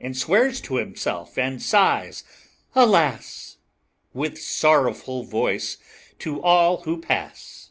And swears to himself and sighs, alas! With sorrowful voice to all who pass.